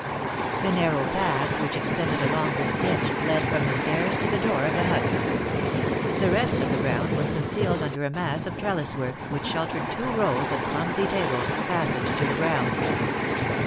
A narrow path, which extended along this ditch, led from the stairs to the door of the hut; the rest of the ground was concealed under a mass of trellis work, which sheltered two rows of clumsy tables, fastened to the ground.